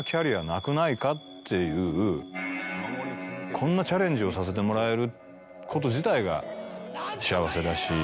こんなチャレンジをさせてもらえること自体が幸せだし。